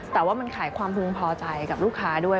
แต่ว่ามันขายความพึงพอใจกับลูกค้าด้วย